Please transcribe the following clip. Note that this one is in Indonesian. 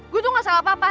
gue tuh gak salah apa apa